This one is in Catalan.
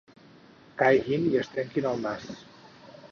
Caiguin i es trenquin el nas.